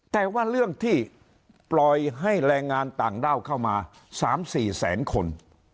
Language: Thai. แต่ว่าเรื่องที่ปล่อยให้แรงงานต่างด้าวเข้ามา๓๔แสนคน